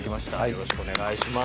よろしくお願いします。